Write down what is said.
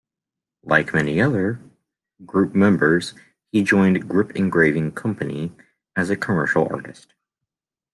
Like many other Group members, he joined Grip Engraving Company as a commercial artist.